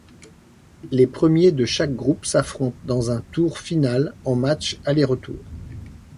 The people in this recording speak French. Les premiers de chaque groupe s'affronte dans un tour final en matchs aller-retour.